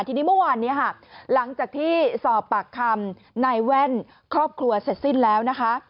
ทีนี้เมื่อวานนี้ค่ะหลังจากที่สอบปากคำนายแว่นครอบครัวเสร็จสิ้นแล้วนะคะ